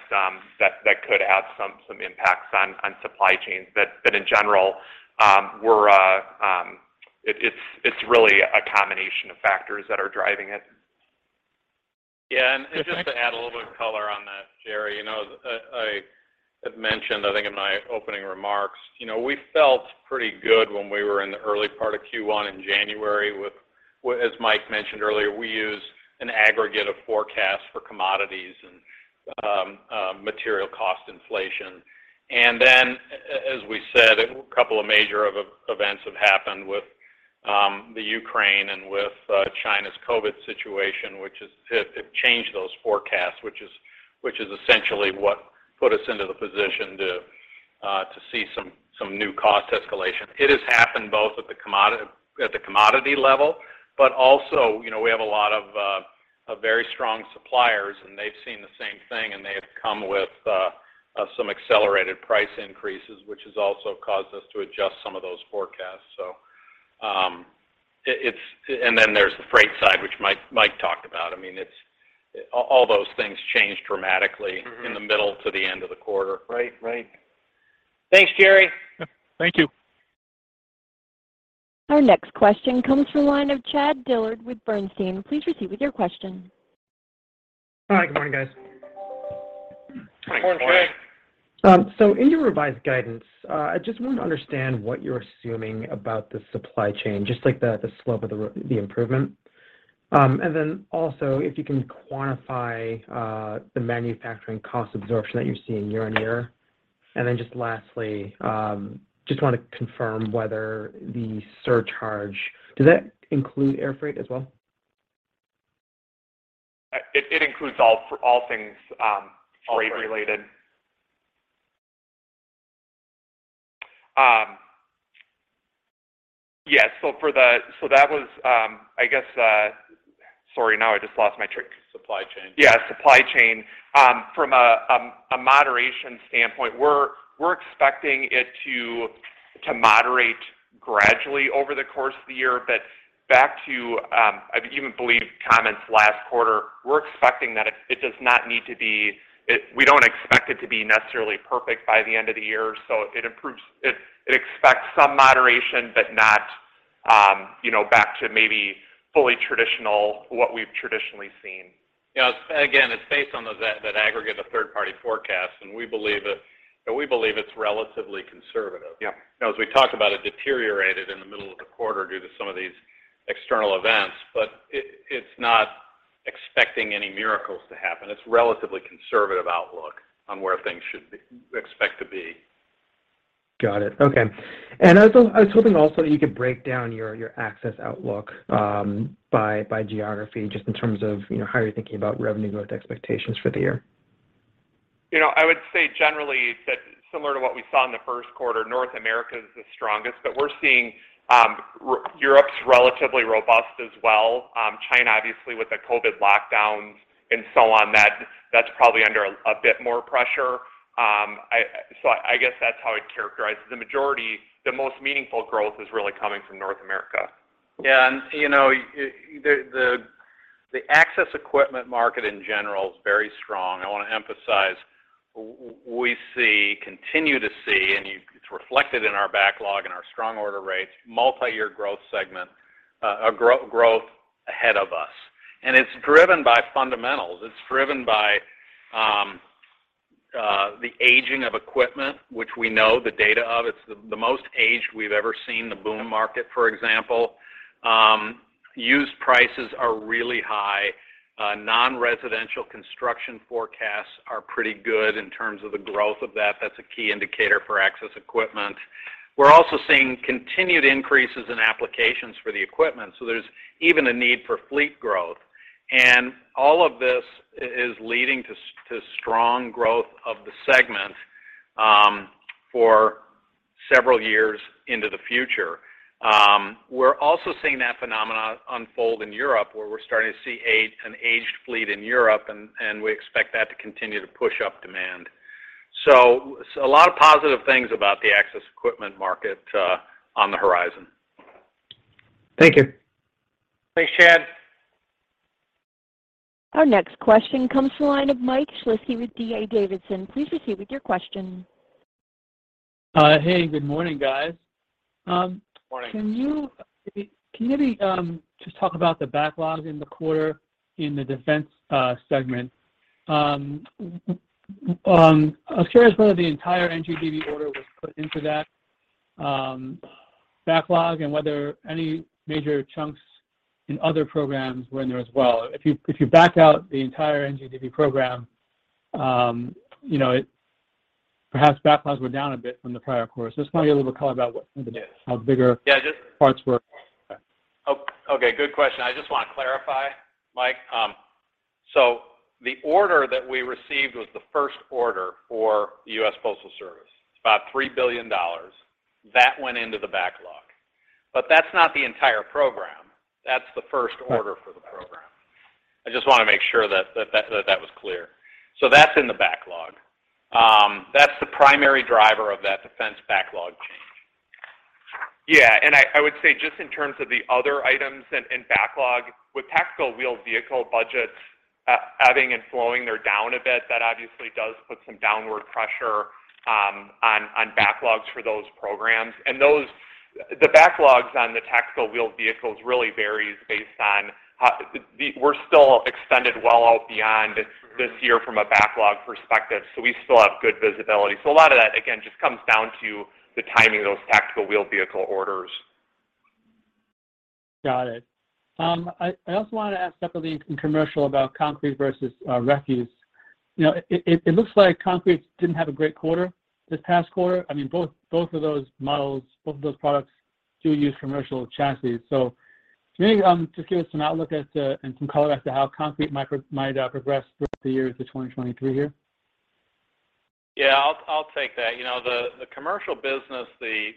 could have some impacts on supply chains. In general, it's really a combination of factors that are driving it. Yeah. Just to add a little bit of color on that, Jerry, you know, I mentioned, I think in my opening remarks, you know, we felt pretty good when we were in the early part of Q1 in January with as Mike mentioned earlier, we use an aggregate of forecasts for commodities and material cost inflation. As we said, a couple of major events have happened with the Ukraine and with China's COVID situation, which have changed those forecasts, which is essentially what put us into the position to see some new cost escalation. It has happened both at the commodity level, but also, you know, we have a lot of very strong suppliers, and they've seen the same thing, and they have come with some accelerated price increases, which has also caused us to adjust some of those forecasts. Then there's the freight side, which Mike talked about. I mean, it's all those things changed dramatically. Mm-hmm. In the middle to the end of the quarter. Right. Right. Thanks, Jerry. Yeah. Thank you. Our next question comes from the line of Chad Dillard with Bernstein. Please proceed with your question. Hi. Good morning, guys. Good morning, Chad. Morning. In your revised guidance, I just want to understand what you're assuming about the supply chain, just like the slope of the improvement. If you can quantify the manufacturing cost absorption that you're seeing year on year. Just lastly, I wanna confirm whether the surcharge includes air freight as well. It includes all things freight related. Yeah. That was. I guess. Sorry, now I just lost my train- Supply chain. Yeah, supply chain. From a moderation standpoint, we're expecting it to moderate gradually over the course of the year. Back to our comments last quarter, we're expecting that it does not need to be. We don't expect it to be necessarily perfect by the end of the year. It expects some moderation, but not, you know, back to maybe fully traditional, what we've traditionally seen. Yeah. Again, it's based on those, that aggregate of third-party forecasts, and we believe it, and we believe it's relatively conservative. Yeah. You know, as we talked about, it deteriorated in the middle of the quarter due to some of these external events. It's not expecting any miracles to happen. It's relatively conservative outlook on where things should be, expect to be. Got it. Okay. I was hoping also that you could break down your access outlook by geography, just in terms of, you know, how you're thinking about revenue growth expectations for the year. You know, I would say generally that similar to what we saw in the first quarter, North America is the strongest. We're seeing Europe's relatively robust as well. China, obviously with the COVID lockdown and so on, that's probably under a bit more pressure. I guess that's how I'd characterize. The majority, the most meaningful growth is really coming from North America. Yeah. You know, the Access Equipment market in general is very strong. I wanna emphasize, we continue to see it's reflected in our backlog and our strong order rates, multi-year growth segment, growth ahead of us. It's driven by fundamentals. It's driven by the aging of equipment, which we know the data of. It's the most aged we've ever seen, the boom market, for example. Used prices are really high. Non-residential construction forecasts are pretty good in terms of the growth of that. That's a key indicator for Access Equipment. We're also seeing continued increases in applications for the equipment, so there's even a need for fleet growth. All of this is leading to strong growth of the segment, for several years into the future. We're also seeing that phenomenon unfold in Europe, where we're starting to see an aged fleet in Europe, and we expect that to continue to push up demand. A lot of positive things about the Access Equipment market on the horizon. Thank you. Thanks, Chad. Our next question comes to the line of Mike Shlisky with D.A. Davidson. Please proceed with your question. Hey, good morning, guys. Morning. Can you maybe just talk about the backlog in the quarter in the Defense segment? I was curious whether the entire NGDV order was put into that backlog, and whether any major chunks in other programs were in there as well. If you back out the entire NGDV program, you know, perhaps backlogs were down a bit from the prior quarter. Just want to get a little color about the how bigger. Yeah. Okay. Okay. Good question. I just want to clarify, Mike. The order that we received was the first order for U.S. Postal Service. It's about $3 billion that went into the backlog. That's not the entire program. That's the first order for the program. I just want to make sure that was clear. That's in the backlog. That's the primary driver of that Defense backlog change. Yeah. I would say just in terms of the other items and backlog, with tactical wheeled vehicle budgets ebbing and flowing, they're down a bit, that obviously does put some downward pressure on backlogs for those programs. Those backlogs on the tactical wheeled vehicles really varies based on the. We're still extended well out beyond this year from a backlog perspective, so we still have good visibility. A lot of that, again, just comes down to the timing of those tactical wheeled vehicle orders. Got it. I also wanted to ask separately in commercial about concrete versus refuse. It looks like concrete didn't have a great quarter this past quarter. I mean, both of those models, both of those products do use commercial chassis. Maybe just give us some outlook and some color as to how concrete might progress through the year to 2023 here. Yeah. I'll take that. You know, the commercial business, the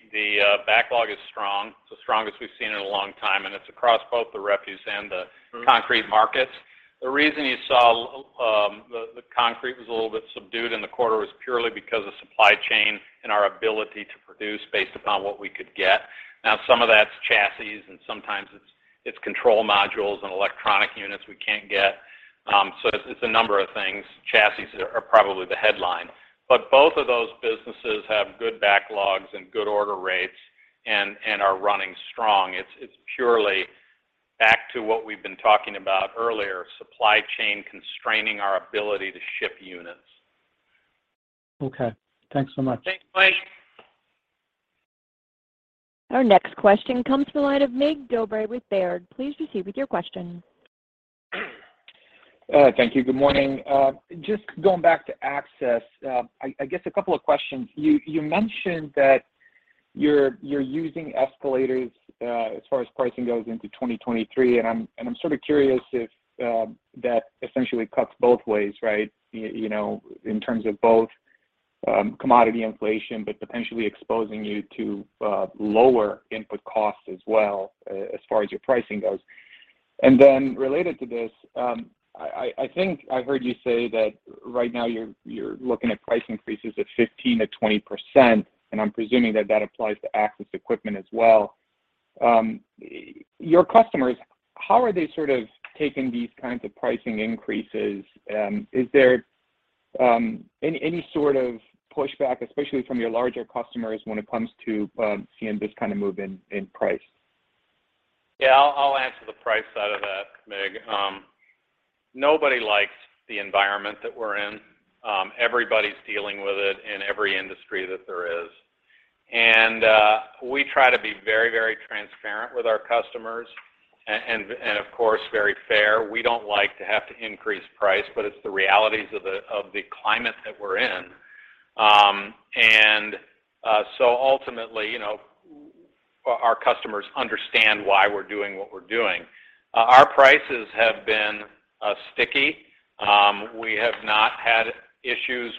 backlog is strong. It's the strongest we've seen in a long time, and it's across both the refuse and the concrete markets. The reason you saw the concrete was a little bit subdued in the quarter was purely because of supply chain and our ability to produce based upon what we could get. Now, some of that's chassis, and sometimes it's control modules and electronic units we can't get. It's a number of things. Chassis are probably the headline. Both of those businesses have good backlogs and good order rates and are running strong. It's purely back to what we've been talking about earlier, supply chain constraining our ability to ship units. Okay. Thanks so much. Thanks, Mike. Our next question comes from the line of Mig Dobre with Baird. Please proceed with your question. Thank you. Good morning. Just going back to access, I guess a couple of questions. You mentioned that you're using escalators as far as pricing goes into 2023, and I'm sort of curious if that essentially cuts both ways, right? You know, in terms of both commodity inflation, but potentially exposing you to lower input costs as well, as far as your pricing goes. Related to this, I think I heard you say that right now you're looking at price increases of 15%-20%, and I'm presuming that applies to Access Equipment as well. Your customers, how are they sort of taking these kinds of pricing increases? Is there any sort of pushback, especially from your larger customers when it comes to seeing this kind of move in price? Yeah. I'll answer the price side of that, Mig. Nobody likes the environment that we're in. Everybody's dealing with it in every industry that there is. We try to be very, very transparent with our customers and, of course, very fair. We don't like to have to increase price, but it's the realities of the climate that we're in. Ultimately, you know, our customers understand why we're doing what we're doing. Our prices have been sticky. We have not had issues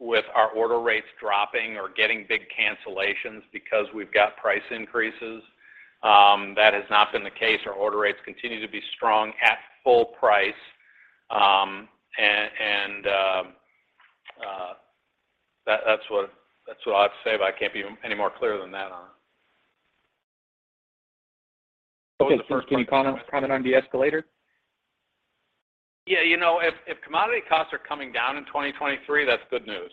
with our order rates dropping or getting big cancellations because we've got price increases. That has not been the case. Our order rates continue to be strong at full price. That's what I have to say, but I can't be any more clear than that on. Okay. Can you comment on the escalator? Yeah. You know, if commodity costs are coming down in 2023, that's good news.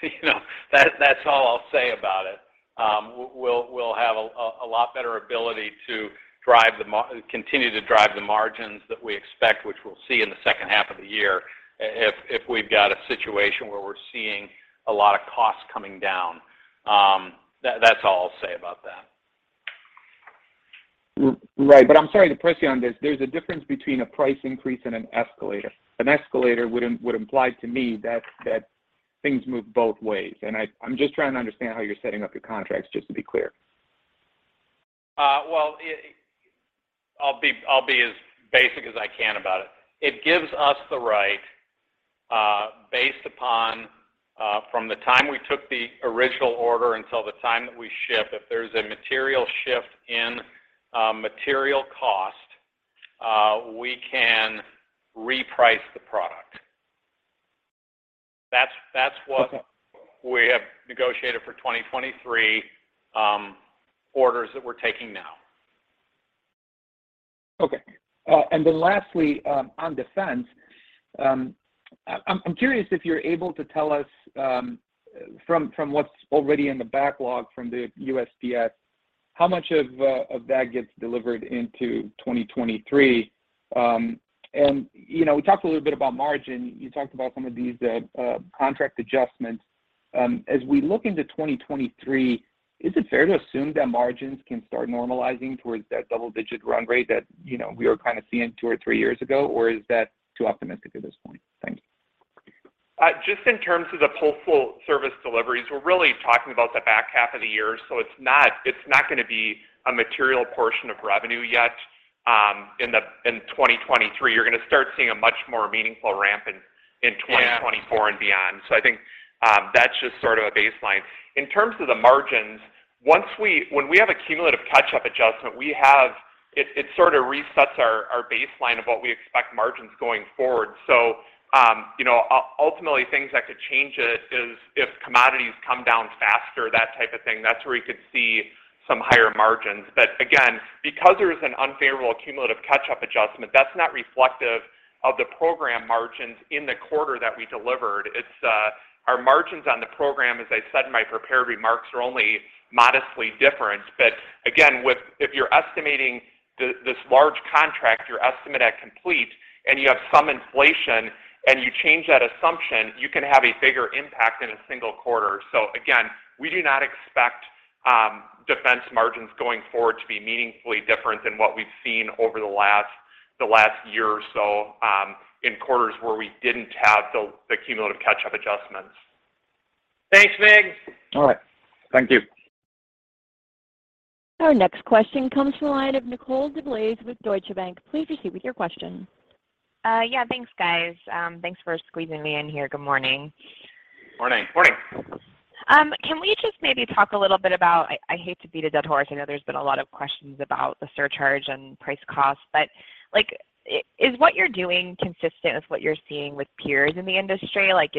You know, that's all I'll say about it. We'll have a lot better ability to continue to drive the margins that we expect, which we'll see in the second half of the year if we've got a situation where we're seeing a lot of costs coming down. That's all I'll say about that. Right. I'm sorry to press you on this. There's a difference between a price increase and an escalator. An escalator would imply to me that things move both ways. I'm just trying to understand how you're setting up your contracts, just to be clear. Well, I'll be as basic as I can about it. It gives us the right, based upon, from the time we took the original order until the time that we ship, if there's a material shift in material cost, we can reprice the product. That's what- Okay. we have negotiated for 2023, orders that we're taking now. Okay. Then lastly, on Defense, I'm curious if you're able to tell us, from what's already in the backlog from the USPS, how much of that gets delivered into 2023? You know, we talked a little bit about margin. You talked about some of these contract adjustments. As we look into 2023, is it fair to assume that margins can start normalizing towards that double-digit run rate that, you know, we were kinda seeing two or three years ago? Or is that too optimistic at this point? Thanks. Just in terms of the full service deliveries, we're really talking about the back half of the year, so it's not gonna be a material portion of revenue yet, in 2023. You're gonna start seeing a much more meaningful ramp in 2024 and beyond. I think that's just sort of a baseline. In terms of the margins, when we have a cumulative catch-up adjustment, it sort of resets our baseline of what we expect margins going forward. You know, ultimately things that could change it is if commodities come down faster, that type of thing, that's where you could see some higher margins. But again, because there's an unfavorable cumulative catch-up adjustment, that's not reflective of the program margins in the quarter that we delivered. It's our margins on the program, as I said in my prepared remarks, are only modestly different. Again, if you're estimating this large contract, your estimate at completion, and you have some inflation and you change that assumption, you can have a bigger impact in a single quarter. Again, we do not expect defense margins going forward to be meaningfully different than what we've seen over the last year or so, in quarters where we didn't have the cumulative catch-up adjustments. Thanks, Mig. All right. Thank you. Our next question comes from the line of Nicole DeBlase with Deutsche Bank. Please proceed with your question. Yeah, thanks guys. Thanks for squeezing me in here. Good morning. Morning. Morning. Can we just maybe talk a little bit about, I hate to beat a dead horse, I know there's been a lot of questions about the surcharge and price cost, but, like, is what you're doing consistent with what you're seeing with peers in the industry? Like,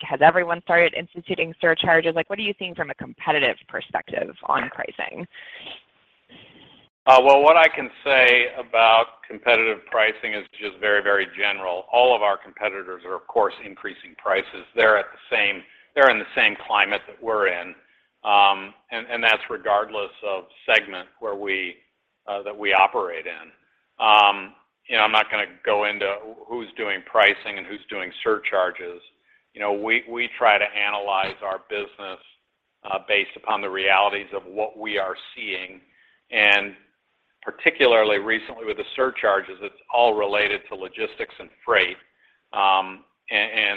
has everyone started instituting surcharges? Like, what are you seeing from a competitive perspective on pricing? Well, what I can say about competitive pricing is just very, very general. All of our competitors are of course increasing prices. They're in the same climate that we're in, and that's regardless of segment that we operate in. You know, I'm not gonna go into who's doing pricing and who's doing surcharges. You know, we try to analyze our business based upon the realities of what we are seeing. Particularly recently with the surcharges, it's all related to logistics and freight. And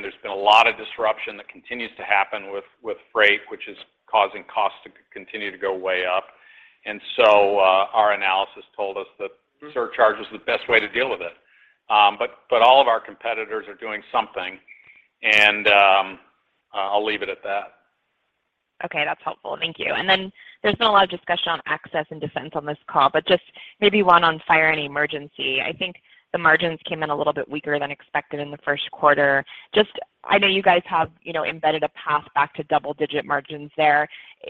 there's been a lot of disruption that continues to happen with freight, which is causing costs to continue to go way up. Our analysis told us that surcharge was the best way to deal with it. All of our competitors are doing something and I'll leave it at that. Okay. That's helpful. Thank you. There's been a lot of discussion on access and defense on this call, but just maybe one on Fire and Emergency. I think the margins came in a little bit weaker than expected in the first quarter. Just I know you guys have, you know, embedded a path back to double digit margins there.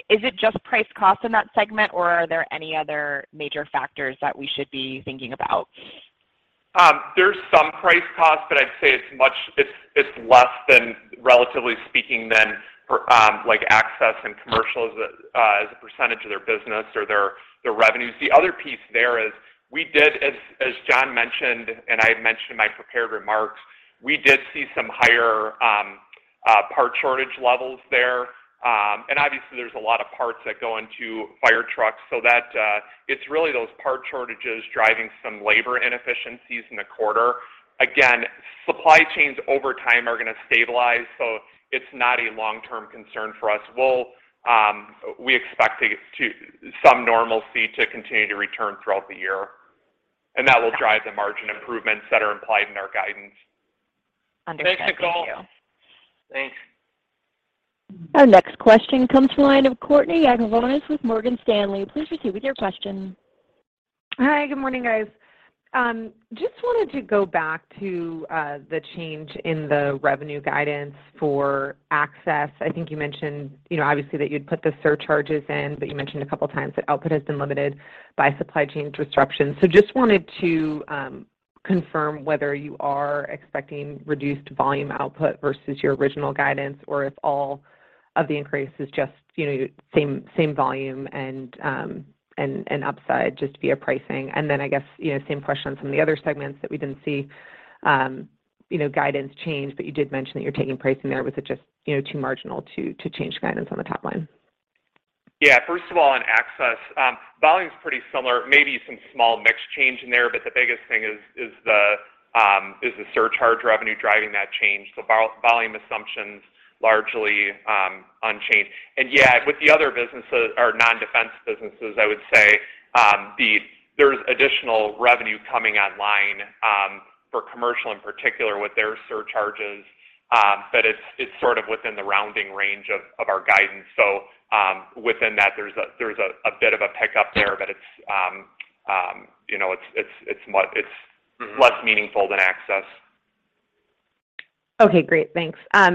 Is it just price cost in that segment, or are there any other major factors that we should be thinking about? There's some price cost, but I'd say it's much less, relatively speaking, than for, like Access and Commercial as a percentage of their business or their revenues. The other piece there is we did, as John mentioned, and I had mentioned in my prepared remarks, we did see some higher part shortage levels there. Obviously there's a lot of parts that go into firetrucks so that it's really those part shortages driving some labor inefficiencies in the quarter. Again, supply chains over time are gonna stabilize, so it's not a long-term concern for us. We expect to get to some normalcy to continue to return throughout the year, and that will drive the margin improvements that are implied in our guidance. Understood. Thank you. Thanks, Nicole. Thanks. Our next question comes from the line of Courtney Yakavonis with Morgan Stanley. Please proceed with your question. Hi, good morning guys. Just wanted to go back to the change in the revenue guidance for Access. I think you mentioned, you know, obviously that you'd put the surcharges in, but you mentioned a couple of times that output has been limited by supply chain disruption. Just wanted to confirm whether you are expecting reduced volume output versus your original guidance, or if all of the increase is just, you know, same volume and upside just via pricing. Then I guess, you know, same question from the other segments that we didn't see, you know, guidance change, but you did mention that you're taking price in there. Was it just, you know, too marginal to change guidance on the top line? Yeah. First of all, on Access, volume's pretty similar. Maybe some small mix change in there, but the biggest thing is the surcharge revenue driving that change. Volume assumptions largely unchanged. Yeah, with the other businesses or non-Defense businesses, I would say, there's additional revenue coming online for Commercial in particular with their surcharges. But it's sort of within the rounding range of our guidance. Within that there's a bit of a pickup there, but it's you know, it's what meaningful to Access. Okay, great. Thanks. I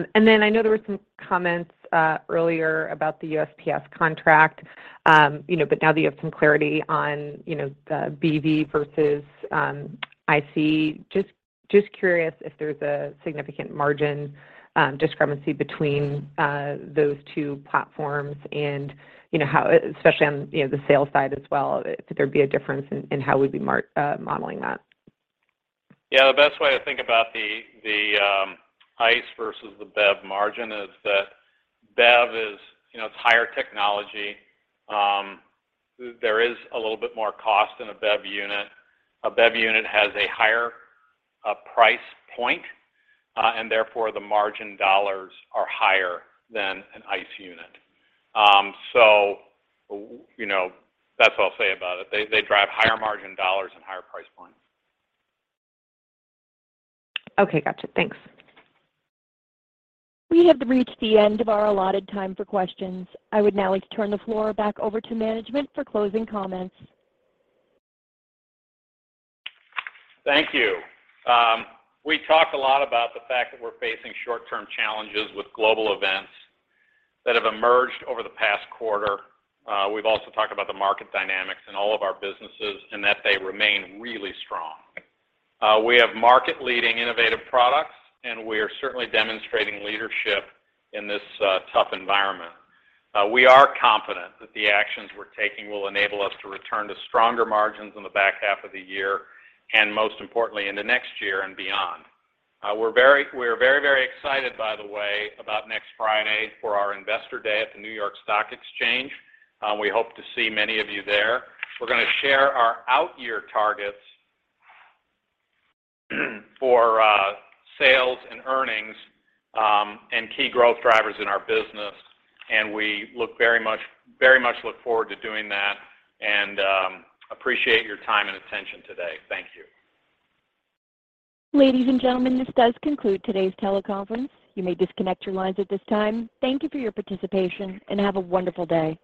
know there were some comments earlier about the USPS contract. You know, now that you have some clarity on, you know, the BEV versus ICE, just curious if there's a significant margin discrepancy between those two platforms and, you know, how, especially on, you know, the sales side as well, if there'd be a difference in how we'd be modeling that. Yeah, the best way to think about the ICE versus the BEV margin is that BEV is, you know, it's higher technology. There is a little bit more cost in a BEV unit. A BEV unit has a higher price point, and therefore the margin dollars are higher than an ICE unit. You know, that's what I'll say about it. They drive higher margin dollars and higher price points. Okay. Gotcha. Thanks. We have reached the end of our allotted time for questions. I would now like to turn the floor back over to management for closing comments. Thank you. We talked a lot about the fact that we're facing short-term challenges with global events that have emerged over the past quarter. We've also talked about the market dynamics in all of our businesses, and that they remain really strong. We have market-leading innovative products, and we are certainly demonstrating leadership in this tough environment. We are confident that the actions we're taking will enable us to return to stronger margins in the back half of the year, and most importantly, in the next year and beyond. We're very, very excited, by the way, about next Friday for our Investor Day at the New York Stock Exchange. We hope to see many of you there. We're gonna share our out-year targets for sales and earnings, and key growth drivers in our business, and we look very much forward to doing that and appreciate your time and attention today. Thank you. Ladies and gentlemen, this does conclude today's teleconference. You may disconnect your lines at this time. Thank you for your participation and have a wonderful day.